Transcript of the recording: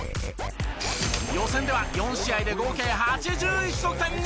予選では４試合で合計８１得点２７アシスト。